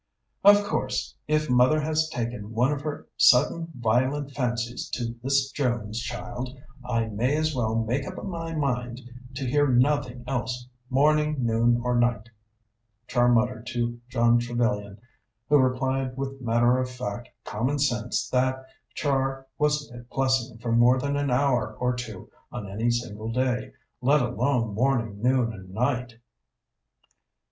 "Of course, if mother has taken one of her sudden violent fancies to this Jones child, I may as well make up my mind to hear nothing else, morning, noon, or night," Char muttered to John Trevellyan, who replied with matter of fact common sense that Char wasn't at Plessing for more than an hour or two on any single day, let alone morning, noon, and night.